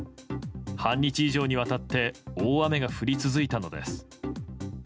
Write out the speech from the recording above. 半日以上にわたって大雨が降り続いたのです。